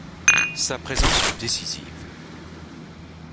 Sa présence fut décisive.